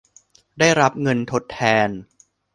ได้รับเงินทดแทน